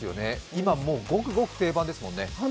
今、ごくごく定番ですもんね。